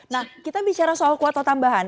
nah kita bicara soal kuota tambahan